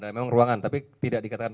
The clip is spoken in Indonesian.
memang ruangan tapi tidak dikatakan